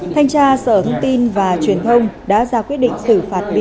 thanh tra sở thông tin và truyền thông đã ra quyết định xử phạt